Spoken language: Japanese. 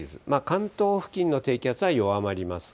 関東付近の低気圧は弱まります。